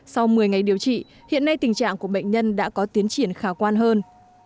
sau một mươi ngày điều trị hiện nay tình trạng của bệnh nhân đã có tiến triển khả quan hơn